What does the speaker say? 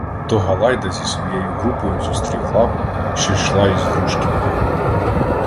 То Галайда зі своєю групою зустрів лаву, що йшла із Грушківки.